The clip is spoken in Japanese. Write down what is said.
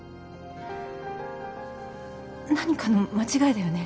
何かの間違いだよね？